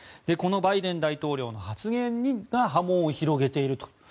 このバイデン大統領の発言が波紋を広げていると。